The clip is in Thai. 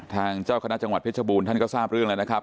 เจ้าคณะจังหวัดเพชรบูรณท่านก็ทราบเรื่องแล้วนะครับ